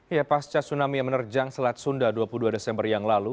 ya pasca tsunami yang menerjang selat sunda dua puluh dua desember yang lalu